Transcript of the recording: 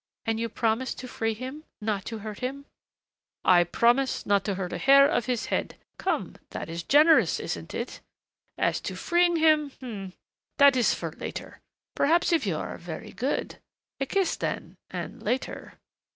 "And you promise to free him, not to hurt him " "I promise not to hurt a hair of his head. Come, that is generous, isn't it? As to freeing him h'm that is for later. Perhaps, if you are very good. A kiss then... and later...."